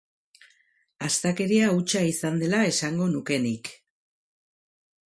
Astakeria hutsa izan dela esango nuke nik.